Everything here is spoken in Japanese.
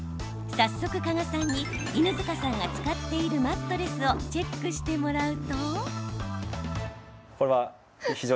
早速、加賀さんに犬塚さんが使っているマットレスをチェックしてもらうと。